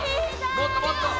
もっともっと！